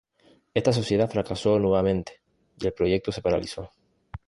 Está sociedad fracasó nuevamente y el proyecto se paralizó.